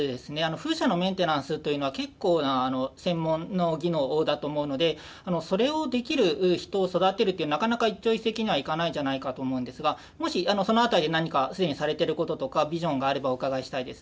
風車のメンテナンスというのは結構な専門の技能だと思うのでそれをできる人を育てるというなかなか一朝一夕にはいかないんじゃないかと思うんですがもしその辺りで何か既にされてることとかビジョンがあればお伺いしたいです。